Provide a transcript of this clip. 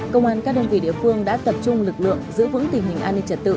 công an các đơn vị địa phương đã tập trung lực lượng giữ vững tình hình an ninh trật tự